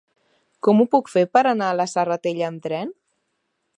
Com ho puc fer per anar a la Serratella amb tren?